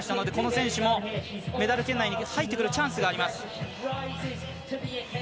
この選手もメダル圏内に入ってくるチャンスがあります。